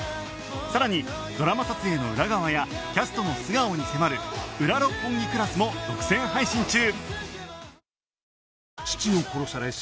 さらにドラマ撮影の裏側やキャストの素顔に迫る『ウラ六本木クラス』も独占配信中